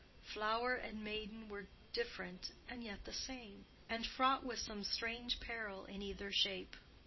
Flower and maiden were different, and yet the same, and fraught with some strange peril in either shape.